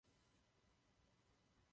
Studoval na reálném gymnáziu.